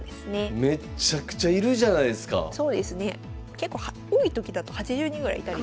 結構多い時だと８０人ぐらいいたり。